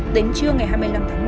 đến trưa ngày hai mươi năm tháng một